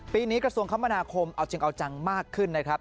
ปีนี้กระทรวงคมนาคมเอาจริงเอาจังมากขึ้นนะครับ